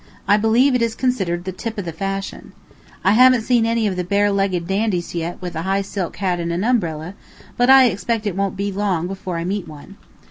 I believe it is considered the tip of the fashion. I haven't seen any of the bare legged dandies yet with a high silk hat and an umbrella, but I expect it won't be long before I meet one.